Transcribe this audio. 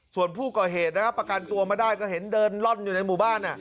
ส่วนผู้ก่อเหตุนะครับประกันตัวมาได้ก็เห็นเดินล่อนอยู่ในหมู่บ้าน